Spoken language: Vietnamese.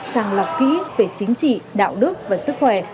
sàng lọc kỹ về chính trị đạo đức và sức khỏe